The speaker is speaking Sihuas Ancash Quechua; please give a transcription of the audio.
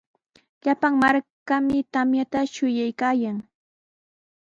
Llapan markami tamyata shuyaykaayan.